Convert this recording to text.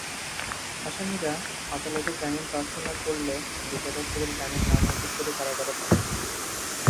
আসামিরা আদালতে জামিন প্রার্থনা করলে বিচারক তাঁদের জামিন নামঞ্জুর করে কারাগারে পাঠান।